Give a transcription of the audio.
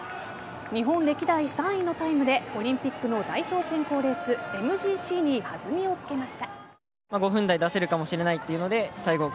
日本歴代３位のタイムでオリンピックの代表選考レースＭＧＣに弾みをつけました。